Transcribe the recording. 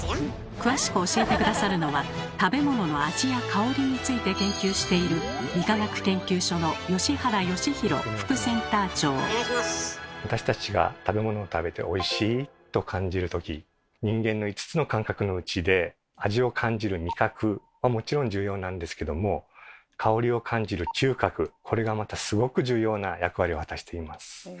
詳しく教えて下さるのは食べ物の味や香りについて研究している私たちが食べ物を食べて「おいしい」と感じるとき人間の５つの感覚のうちで味を感じる味覚はもちろん重要なんですけども香りを感じる嗅覚これがまたすごく重要な役割を果たしています。